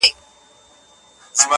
ما چي میوند، میوند نارې وهلې!